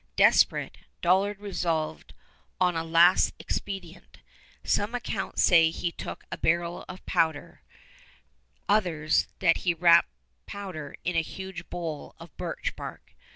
Desperate, Dollard resolved on a last expedient. Some accounts say he took a barrel of powder; others, that he wrapped powder in a huge bole of birch bark.